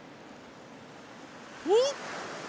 おっ！